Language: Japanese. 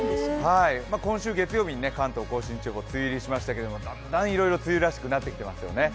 今週月曜日に関東甲信地方、梅雨入りしましたけどだんだんいろいろ梅雨らしくなってきていますよね。